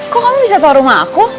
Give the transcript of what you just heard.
kok kamu bisa tahu rumah aku